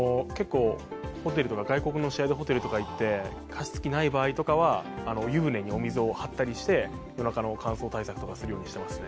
外国の試合とかでホテルとかに行って加湿器ない場合とかは湯船にお水を張ったりして夜中の乾燥対策とかするようにしてますね。